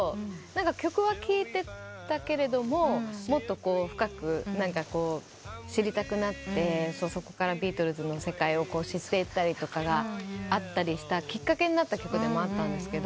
曲は聴いてたけれどももっと深く知りたくなってそこからビートルズの世界を知っていったりとかがあったきっかけになった曲でもあったんですけど。